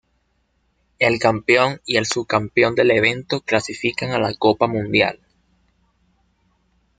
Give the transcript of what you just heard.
El campeón y el subcampeón del evento clasifican a la Copa Mundial.